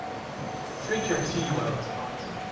Drink your tee while it's hot.